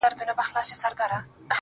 • شاعره ياره ستا قربان سمه زه.